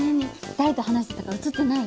誰と話してたか写ってない？